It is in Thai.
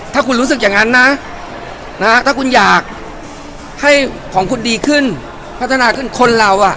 ถ้าคุณรู้สึกอย่างนั้นนะถ้าคุณอยากให้ของคุณดีขึ้นพัฒนาขึ้นคนเราอ่ะ